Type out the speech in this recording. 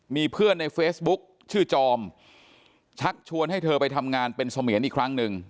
มีเพื่อนในเฟซบุ๊กชื่อจอมชักชวนให้เธอไปทำงานเป็นเสมียนอีกครั้งหนึ่ง